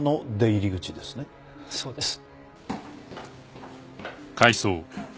そうです。